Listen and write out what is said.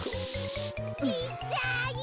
・いったい！